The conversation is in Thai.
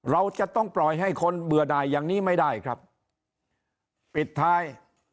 เราจะต้องปล่อยให้คนเบื่อด่ายอย่างนี้ไม่ได้ครับปิดท้าย